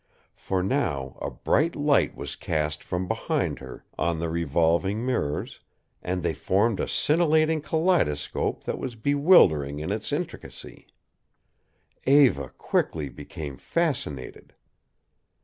For now a bright light was cast from behind her on the revolving mirrors and they formed a scintillating kaleidoscope that was bewildering in its intricacy. Eva quickly became fascinated.